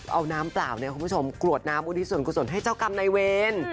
เอาน้ำเปล่าเนี่ยคุณผู้ชมกรวดน้ำอุทิศส่วนกุศลให้เจ้ากรรมนายเวร